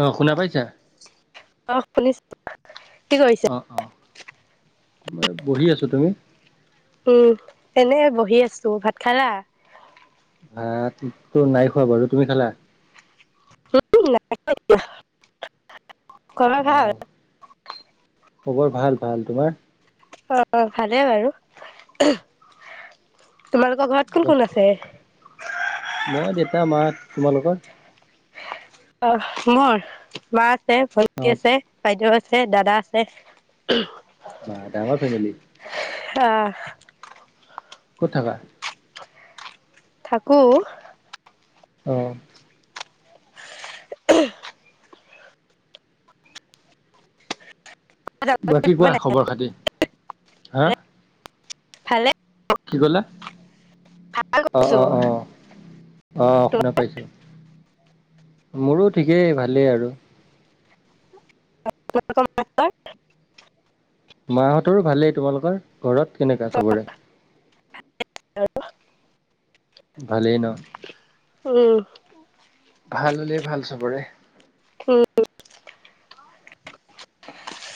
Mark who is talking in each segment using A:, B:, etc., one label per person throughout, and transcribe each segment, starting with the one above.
A: অ শুনা পাইছা
B: অ', শুনিছো। কি কৰিছে?
A: অ', অ', মই বহি আছো তুমি?
B: উম, এনে বহি আছো ভাত খালা?
A: ভাত তো নাই খোৱা বাৰু তুমি খালা?
B: [unintelligible] খবৰ
A: অ
B: ভাল?
A: খবৰ ভাল, ভাল। তোমাৰ?
B: অ ভালেই বাৰু। তোমালোকৰ ঘৰত কোন-কোন আছে?
A: মই, দেউতা, মা। তোমালোকৰ?
B: অ, মোৰ মা আছে,
A: অ
B: ভন্টি আছে, বাইদেউ আছে। ছে দাদা আছে।
A: বা ডাঙৰ ফেমিলি।
B: অহ।
A: ক'ত থাকা?
B: থাকো।
A: অ',
B: [unintelligible] ভালে
A: বাকী কোৱা খবৰ খাতি, হা?
B: ভালে।
A: কি কলা? অ',
B: কৰিছো
A: অ, অ, অ, শুনা পাইছো। মোৰো ঠিকেই ভালেই আৰু।
B: [unintelligible]
A: মাহঁতৰো ভালেই। তোমালোকৰ ঘৰত কেনেকা চবৰে? ভালেই ন?
B: উম।
A: ভাল হলেই ভাল চবৰে।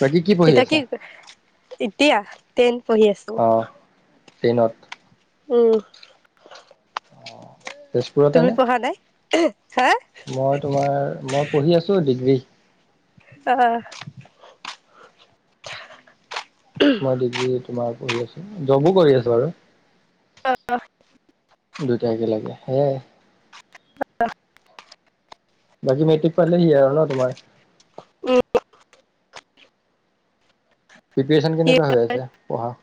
A: বাকী কি পঢ়ি আছা?
B: এতিয়া টেন পঢ়ি আছো।
A: অ টেনত।
B: উম।
A: অ তেজপুৰতে
B: তুমি
A: নে
B: পঢ়া নাই? হা
A: মই তোমাৰ মই পঢ়ি আছো ডিগ্ৰী।
B: অহ।
A: মই ডিগ্ৰী তোমাৰ পঢ়ি আছো, জবো কৰি আছো বাৰু।
B: অ।
A: দুইটা একে লগে, সেয়াই।
B: অ।
A: বাকী মেটিক পালেহি আও ন তোমাৰ?
B: উম,
A: প্ৰিপৰেচন কেনেকুৱা হৈ আছে পঢ়া?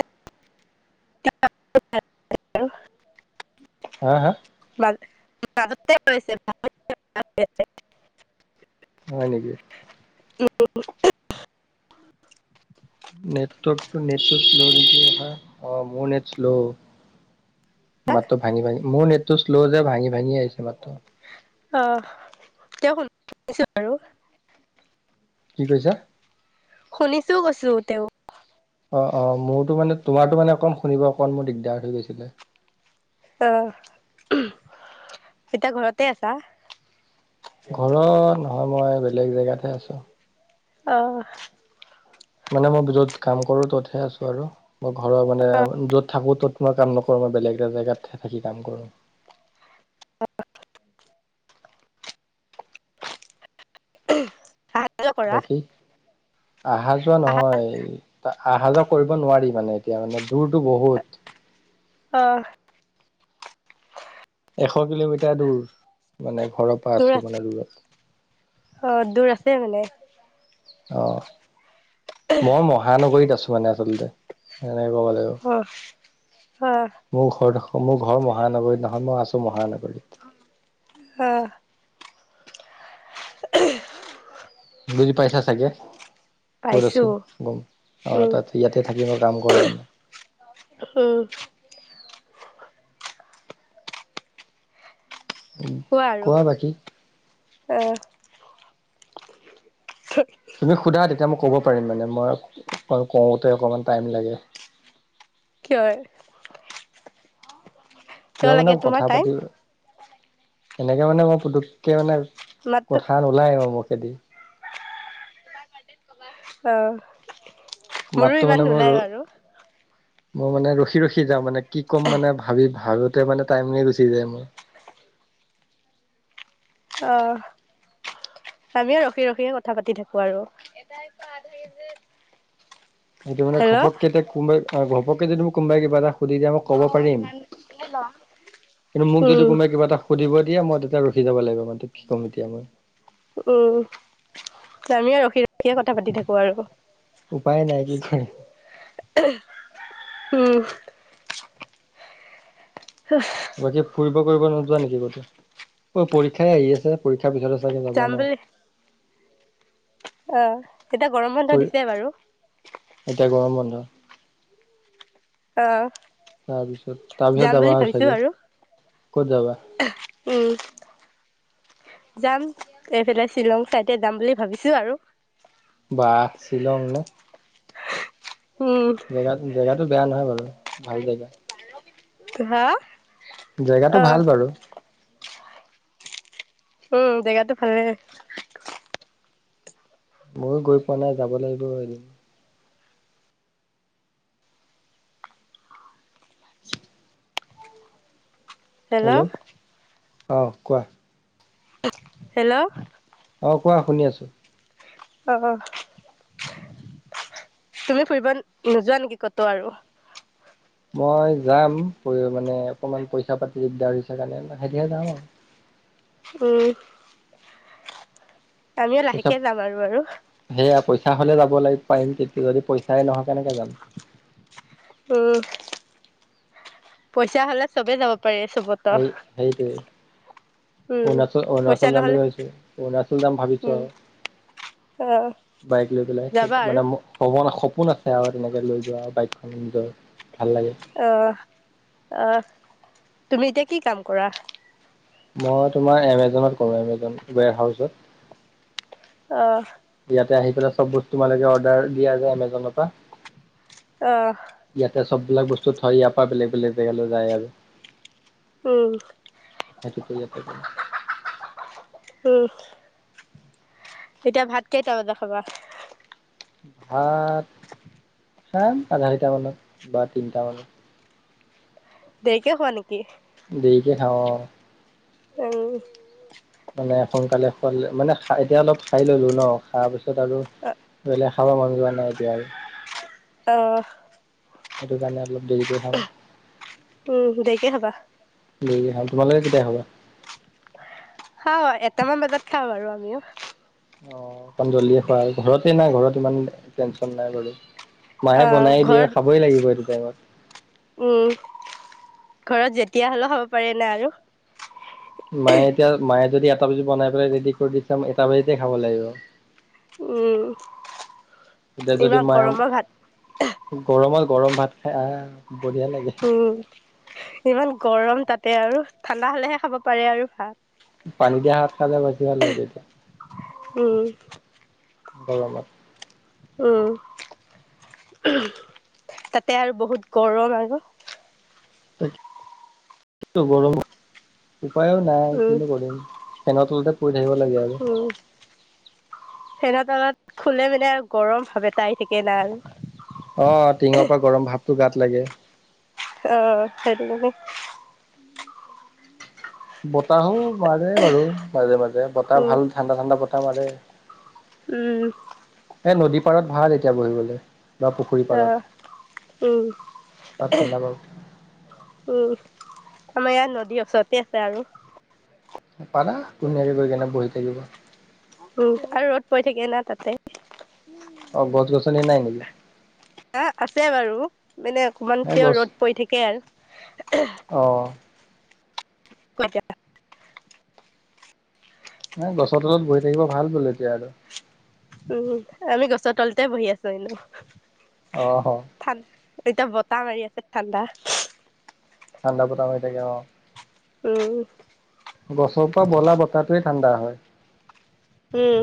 A: হা? হা?
B: [unintelligible]
A: হয় নেকি?
B: উম।
A: নেটৱকটো নেটটো শ্ল' নে তোমাৰ? অ মোৰ শ্ল'। মাতটো ভাঙি-ভাঙি, মোৰ নেটটো শ্ল' যে ভাঙি ভাঙি আহিছে মাতটো।
B: আহ তেওঁ শুনিছো বাৰু।
A: কি কৈছা?
B: শুনিছোও কৈছো তেও।
A: অ-অ, মোৰটো মানে তোমাৰটো মানে অকণ শুনিব অকণ মোৰ দিগদাৰ হৈ গৈছিলে।
B: অ, এতিয়া ঘৰতে আছা?
A: ঘৰত নহয়, মই বেলেগ জেগাতহে আছো।
B: অ।
A: মানে মই য'ত কাম কৰো ত'তহে আছো আৰু। মই ঘৰৰ মানে য'ত থাকো তত মই কাম নকৰো মই বেলেগ এটা জেগাত থাকি কাম কৰো।
B: অহা যোৱা কৰা
A: বাকী অহা যোৱা
B: আহা
A: নহয় তা অহা যোৱা কৰিব নোৱাৰি মানে এতিয়া মানে দূৰটো বহুত
B: অহ
A: এশ কিলোমিটাৰ দূৰ মানে ঘৰৰ পৰা
B: দূৰ
A: আছো
B: আছে
A: মানে দূৰত
B: অ দূৰ আছে মানে
A: অ মই মহানগৰীত আছো মানে আচলতে কেনেকে কব লাগিব
B: অ অ
A: মোৰ ঘৰত মোৰ ঘৰ মহানগৰীত নহয় মই আছো মহানগৰীত
B: অ
A: বুজি পাইচা চাগে ক'ত আছ?
B: পাইছো
A: গম অ
B: উম
A: তাত ইয়াতে থাকি মই কাম কৰো মানে।
B: উম।
A: উম কোৱা বাকী।
B: অহ।
A: তুমি সোধা তেতিয়া মই ক'ব পাৰিম। মানে মই অ কওঁতে অকমান টাইম লাগে।
B: কিয় এ?
A: কিয় মানে কথা
B: টাইম
A: পাতি এনেকে মানে মই পুতুককে মানে
B: মাতটো
A: কথা নোলাই মো মোখেদি
B: অহ
A: মাততো মানে মই ৰ মই মানে ৰখি ৰখি যাওঁ মানে কি ক'ম মানে ভাবি ভা- ভাবোতে মানে টাইমে গুচি যায় মোৰ
B: অ আমিও ৰখি ৰখিহে কথা পাতি থাকো আৰু আধুৰি যে
A: এইটো মানে ঘপকে এতিয়া কোনোবাই অহ ঘপকে যদি মোক কোনোবাই কিবা এটা সুধি দিয়ে মই ক'ব পাৰিম কিন্তু মোক যদি
B: উম
A: কোনোবাই কিবা এটা সুধিব দিয়ে মই তেতিয়া ৰখি যাব লাগিব মানেটো কি ক'ম এতিয়া মই
B: উম জামীয়ে ৰখি ৰখিয়ে কথা পাতি থাকো আৰু
A: উপায় নাই কি কে
B: উম
A: বাকী ফুৰিব কৰিব নোযোৱা নেকি কতো অ পৰীক্ষাই আহি আছে পৰী- ৰীক্ষাৰ পিছতে চাগে যাবা ন
B: অহ এতিয়া গৰম বন্ধ দিছে বাৰু
A: এতিয়া গৰম বন্ধ
B: অহ
A: তাৰপিছত তাৰপিছত যাবা আৰু চাগে ক'ত যাবা
B: উম। যাম এইফালে শ্বিলং চাইডে যাম বুলি ভাবিছো আৰু
A: বাহ শ্বিলং নে
B: উম।
A: জেগাত জেগাতো বেয়া নহয় বাৰু ভাল জেগা
B: হা
A: জেগাটো
B: অ'
A: ভাল বাৰু
B: উম জেগাতো ভালে
A: ময়ো গৈ পোৱা নাই যাব লাগিব এদিন
B: হেল্ল'
A: অ কোৱা?
B: হেল্ল'
A: অ কোৱা। শুনি আছো?
B: অহ তুমি ফুৰিব নোযোৱা নেকি কতো আৰু
A: মই যাম মানে অকণমান পইচা পাতি দিগদাৰ হৈছে কাৰণে সেতিহে যাম আও
B: উম আমিও লাহেকে
A: পাছত
B: যাম আৰু আৰু
A: সেয়া পইচা হলে যাম [unintelligible] লে পাৰিম তেতিয়া যদি পইচাই নহয় কেনেকে যাম
B: উ পইচা হলে চবে যাব। পাৰে চবতো।
A: সেই সেইটোৱে
B: উম।
A: অৰুণাচল
B: পইচা
A: অৰুণাচল জাম
B: নহ'লে
A: বুলি ভাবিছোঁ অৰুণাচল জাম ভাবিছো
B: উম
A: আৰু।
B: অ'
A: বাইক লৈ পেলাই
B: যাবা আৰু
A: মানে হ সপোন আছ- সেয়া তেনেকে লৈ যোৱা বাইকখন নিজৰ। ভাল লাগে
B: আহ আহ তুমি এতিয়া কি কাম কৰা।
A: মই তোমাৰ এমেজনত কৰো এমেজন ৱেৰ হাউচত।
B: অ
A: তাতে আহি পেলাই চব বস্তু মোকে অৰ্ডাৰ দিয়া যায় এমেজনৰ পৰা
B: আহ
A: চবিলাক বস্তু থয় ইয়াৰ পৰা বেলেগ বেলেগ জেগালৈ যায় আৰু।
B: উম
A: সেইটো ত ইযাতে যাব
B: উম এতিয়া ভাত কেইটা বজাত খাবা।
A: ভাত হা আধাৰিটা মানত বা তিনটা মানত।
B: দেৰিকে খোৱা নেকি?
A: দেৰিকে খাওঁ অ
B: হেৰি [unintelligible]
A: মানে সোনকালে খোল মানে এতিয়া অলপ খাই ললো ন খোৱা পিছত আৰু ধৰিলে খাব মান জোৱা নাই এতিয়া আৰু।
B: অহ
A: সেইটো কাৰণে অলপ দেৰি কে খাম।
B: উম দেইকে খাবা
A: তোমালৈ
B: খাওঁ এটামান বজাত খাওঁ আৰু আমিও।
A: অ অকমান জল্দি খোৱা হয় ঘৰতে নাই ঘৰত ইমান টেনচন নাই বাৰু। মাহে
B: আহ,
A: বনাই দিয়ে
B: ঘৰত
A: খাবই লাগিব এইটো টাইমত।
B: উম, ঘৰত যেতিয়া হ'লেও খাব পাৰে না আৰু।
A: মায়ে এতিয়া মায়ে যদি এটা বাজি বনাই পেলাই ৰেডি কৰি দি চাম এটা বাজিতে খাব লাগিব।
B: উম,
A: এতিয়া যদি
B: ইমান
A: মাম
B: গৰমৰ ভাত।
A: গৰমত গৰম ভাত খাই আহ বঢ়িয়া লাগে
B: উম ইমান গৰম তাতে আৰু ঠাণ্ডা হলেহে খাব পাৰে আৰু ভাত।
A: পানী দিয়া ভাত খালে বেছি ভাল লাগে এতিয়া।
B: উ
A: গৰমত
B: উ তাতে আৰু বহুত গৰম আৰু
A: তাকে গৰমত উপায়ো নাই
B: উম,
A: কিনো কৰিম ফেনত তলতে পৰি থাকিব লাগে আৰু
B: উম ফেনৰ তলত খুলে মানে আৰু গৰম ভাৱ এ আহি থাকে না
A: অ টিঙৰ পৰা গৰম ভাৱটো গাত লাগে।
B: অহ সেইটো কিন্তু
A: বতাহো মাৰে বাৰু মাজে মাজে বতাহ
B: উম,
A: ভাল ঠাণ্ডা ঠাণ্ডা বতাহ মাৰে।
B: উম
A: এ নদী পাৰত ভাল এতিয়া বহিবলৈ। বা পুখুৰী পাৰত।
B: অ', উম,
A: তাত ঠাণ্ডা বাৰু।
B: উম, আমাৰ ইয়াত নদীৰ ওচৰতে আছে আৰু।
A: পাৰা, ধুনীয়াকে গৈ কেনে বহি থাকিব।
B: উম, আৰু ৰ'দ পৰি থাকে না তাতে?
A: অ' গছ-গছনি নাই নেকি?
B: অ'- আছে বাৰু। মানে অকমান
A: নাই
B: কেও
A: গছ
B: ৰ'দ পৰি থাকে আৰু।
A: অ'।
B: [unintelligible]
A: এ গছৰ তলত বহি থাকিব ভাল বোলে এতিয়া আৰু।
B: উম, আমি গছৰ তলতে বহি আছোঁ এনে।
A: অ' হ।
B: এতিয়া বতাহ মাৰি আছে ঠাণ্ডা।
A: ঠাণ্ডা বতাহ মাৰি থাকে অ
B: উম
A: গছৰ পৰা বলা বতাহটোৱে ঠাণ্ডা হয়
B: উম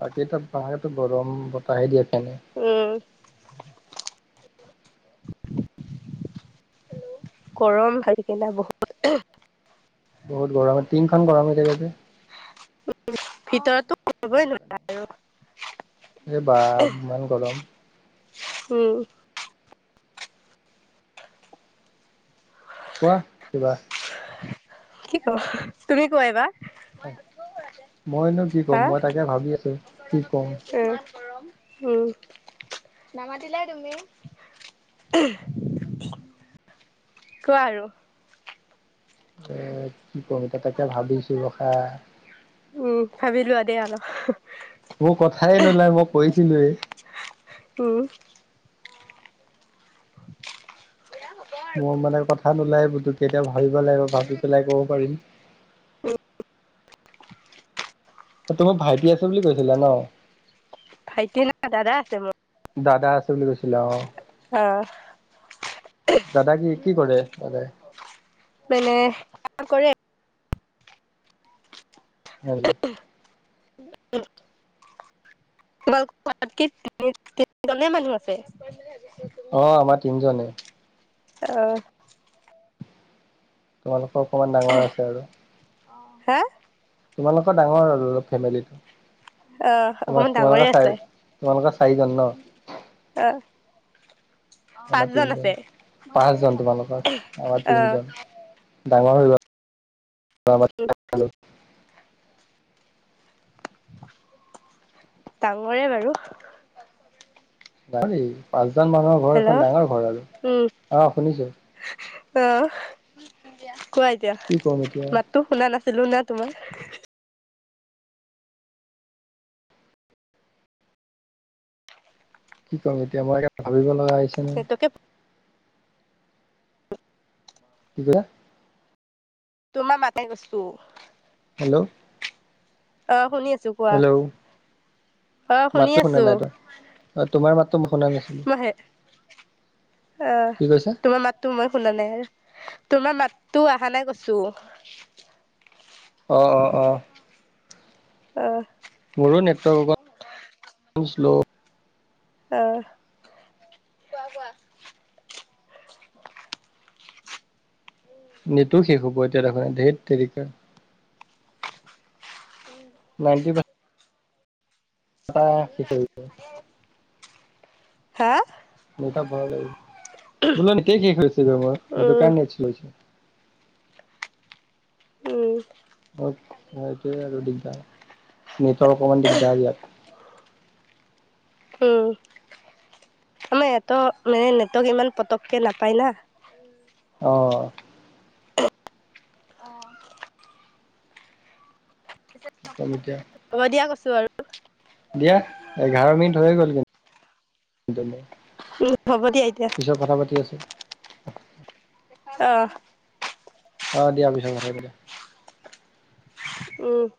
A: বাকী তো বাহিৰটো গৰম বতাহে দিয়ে ফেনে
B: উম গৰম হৈ কিনে বহুত
A: বহুত গৰম টিঙখন গৰম হৈ থাকে যে
B: ভিতৰতো কৰিবই নোৱাৰে আৰু।
A: এই বাপ ইমান গৰম।
B: উম।
A: কোৱা কিবা।
B: কি কওঁ? তুমি কোৱা এইবাৰ।
A: মইনো কি ক'ম,
B: হা
A: মই তাকে ভাবি আছোঁ। কি কম।
B: গৰম। উম। নামাতিলাই তুমি। কোৱা আৰু।
A: এ কি কম এতিয়া তাকে ভাবিছোঁ ৰখা।
B: দে আৰ।
A: মোৰ কথাই নোলায় মই কৈছিলোৱে।
B: উম।
A: মোৰ মানে কথা থা নোলায়ে পুতুককে। এতিয়া ভাবিব লাগিব। ভাবি পেলাই ক'ব পাৰিম। তোমাৰ ভাইটি আছে বুলি কৈছিলা ন'?
B: ভাইটি নাই, দাদা আছে মোৰ।
A: দাদা আছে বুলি কৈছিলা, অ'।
B: অ'।
A: দাদা কি- কি কৰে দাদাই?
B: মানে [inaudible] কৰে
A: [inaudible]
B: উম। তোমালোকৰ [unintelligible] তিনি- [unintelligible] দলে [unintelligible] মানুহ আছে
A: অ' আমাৰ তিনিজনে।
B: অ'।
A: তোমালোকৰ অকণমান ডাঙৰ আছে আৰু।
B: অ'। হা?
A: তোমালোকৰ ডাঙৰ আৰু ফেমিলিটো।
B: অ' অকমান
A: তোমাৰ-
B: ডাঙৰে
A: তোমালোকৰ
B: আছে।
A: চাৰি- তোমালোকৰ চাৰিজন ন'?
B: অ'
A: আমাৰ
B: পাঁচজন আছে।
A: তিনিজন। পাঁচজন তোমালোকৰ। আমাৰ
B: অ'
A: তিনজন। ডাঙৰ হৈ গ'ল, অ
B: ডাঙৰে বাৰু
A: ডাঙৰে, পাঁচজন মানুহৰ ঘৰ এখন
B: হেল্ল'
A: ডাঙৰ ঘৰ আৰু অ শুনিছোঁ
B: অহ, কোৱা এতিয়া
A: কি ক'ম এতিয়া
B: মাতটো শুনা নাছিলোঁ লোনা তোমাৰ
A: কি কম এতিয়া মই একে ভাবিব লগা হৈছে ন
B: নেটৱৰ্কে
A: কিবা
B: তোমাৰ মাতে গৈছো
A: হেল্ল'
B: অ শুনি আছোঁ কোৱা
A: হেল্ল'
B: অ' শুনি
A: মাতটো শুনা
B: আছো
A: নাই তই আ তোমাৰ মাতটো মই শুনা নাছিলোঁ
B: অহ তোমাৰ মাতটো মই শুনা নাই আৰু তোমাৰ মাতটো অহা নাই কৈছোঁ।
A: অ' - অ' - অ'।
B: অ'।
A: মোৰো নেটৰৱ- কটো শ্ল'
B: অ'। কোৱা - কোৱা।
A: নেটো শেষ হ'ব এতিয়া দেখোন। ধেৎ তেৰিকা। নাইনটি পা টা শেষ হৈ গৈছে।
B: হা
A: বোলন কি কিষ হৈছে গ মই সেইটো
B: উম
A: কাৰণে ছিল লৈ হৈছে [unintelligible]
B: উম
A: সেইটোৱে আৰু দিগদাৰ নেটৰ অকমান দিগদাৰ ইয়াত
B: উম আমাৰ এয়াটো মানে নেটৱৰ্ক ইমান পতককে নাপায় না
A: অ
B: অ
A: কম এতিয়া
B: হ'ব দিয়া কৈছোঁ আৰু
A: দিয়া এঘাৰ মিনিট হৈ গ'ল কিন্তু
B: উম হ'ব দিয়া এতিয়া,
A: পিছত কথা পাতি আছোঁ
B: অহ
A: অ দিয়া পিছত কথা পাতিম
B: উম